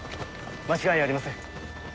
間違いありません。